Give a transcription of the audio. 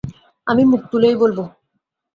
আমি মুখ তুলেই বলব।